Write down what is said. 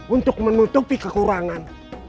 untuk menutupi kekurangan